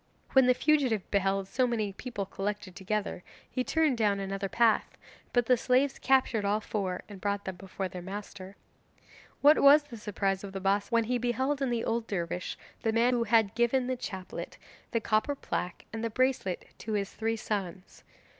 When the fugitive beheld so many people collected together, he turned down another path, but the slaves captured all four and brought them before their master. What was the surprise of the Bassa when he beheld in the old dervish the man who had given the chaplet, the copper plaque, and the bracelet to his three sons.